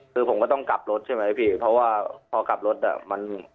คือผมก็ต้องกลับรถใช่ไหมพี่เพราะว่าพอกลับรถอ่ะมัน